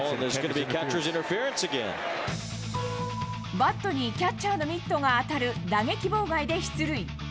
バットにキャッチャーのミットが当たる打撃妨害で出塁。